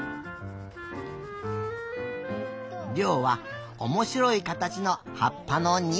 りょうはおもしろいかたちのはっぱのニュース。